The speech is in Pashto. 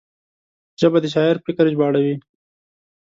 ژبه د شاعر فکر ژباړوي